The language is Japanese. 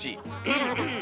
なるほど。